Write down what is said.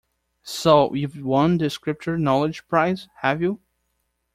So you've won the Scripture-knowledge prize, have you?